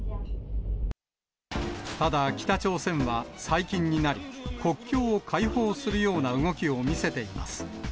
ただ北朝鮮は、最近になり、国境を開放するような動きを見せています。